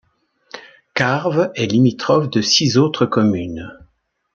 Carves est limitrophe de six autres communes.